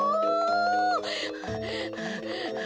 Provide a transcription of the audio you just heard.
はあはあはあ。